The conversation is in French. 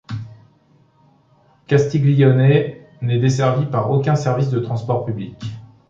Castiglione n'est desservi par aucun service de transports publics.